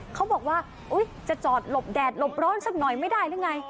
เขาบอกว่าจะจอดหลบแดดหลบร้อนสักหน่อยไม่ได้หรือไง